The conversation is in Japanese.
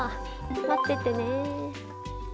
待っててね。